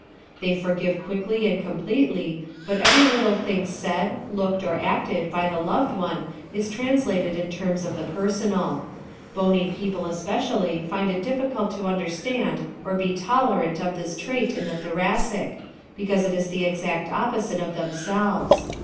They forgive quickly and completely, but every little thing said, looked, or acted by the loved one is translated in terms of the personal. Bony people especially find it difficult to understand or be tolerant of this trait in the Thoracic, because it is the exact opposite of themselves.